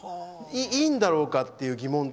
いいんだろうかっていう疑問が。